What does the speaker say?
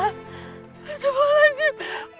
apaan sih bella